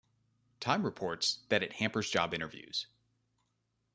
"Time" reports that it hampers job interviews.